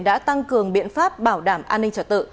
đã tăng cường biện pháp bảo đảm an ninh trật tự